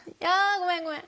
ごめんごめん。